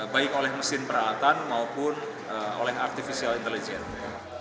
baik oleh mesin peralatan maupun oleh artificial intelligence